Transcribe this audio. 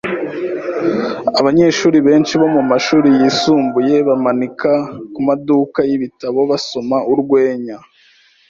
Abanyeshuri benshi bo mumashuri yisumbuye bamanika kumaduka yibitabo basoma urwenya.